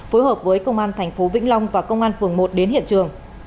phối hợp với công an thành phố vĩnh long và công an phường một đến hiện trường